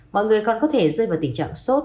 mọi người còn có thể rơi vào tình trạng sốt